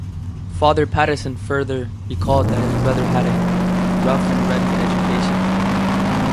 Father Patterson further recalled that his brother had a "rough and ready education".